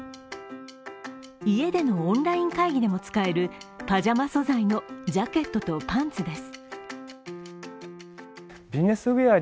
家でのオンライン会議でも使えるパジャマ素材のジャケットとパンツです。